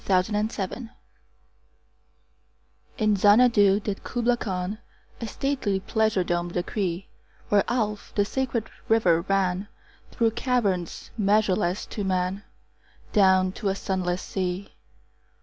Kubla Khan IN Xanadu did Kubla Khan A stately pleasure dome decree: Where Alph, the sacred river, ran Through caverns measureless to man Down to a sunless sea.